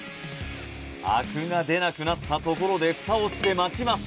灰汁が出なくなったところでフタを閉め待ちます